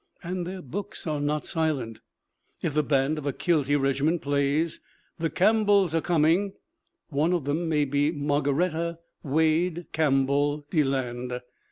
And their books are not silent. If the band of a kiltie regiment plays The Camp bells Are Coming, one of them may be Margaretta Wade (Campbell) Deland.